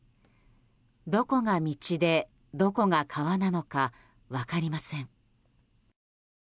どこが道でどこが川なのか分かりません。